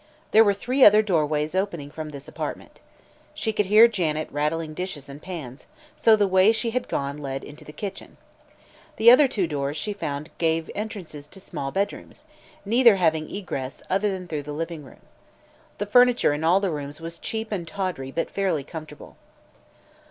There were three other doorways opening from this apartment. She could hear Janet rattling dishes and pans, so the way she had gone led into the kitchen. The other two doors she found gave entrance to small bedrooms, neither having egress other than through the living room. The furniture in all the rooms was cheap and tawdry but fairly comfortable.